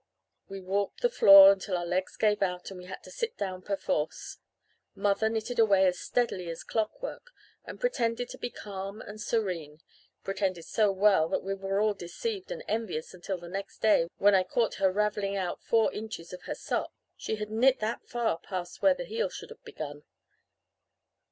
We walked the floor until our legs gave out and we had to sit down perforce. Mother knitted away as steadily as clockwork and pretended to be calm and serene pretended so well that we were all deceived and envious until the next day, when I caught her ravelling out four inches of her sock. She had knit that far past where the heel should have begun!